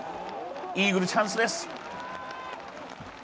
イーグルチャンスです。